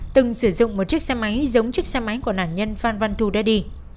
từng sử dụng một chiếc xe máy giống chiếc xe máy của nạn nhân phan văn thu đã đi